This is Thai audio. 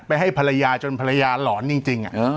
ไปให้ภรรยาจนภรรยาหลอนจริงจริงอ่ะอ่า